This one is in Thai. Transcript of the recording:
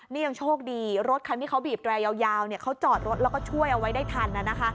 นี่ยังโชคดีรถคันที่เขาบีบแรยาวเขาจอดรถแล้วก็ช่วยเอาไว้ได้ทันนะคะ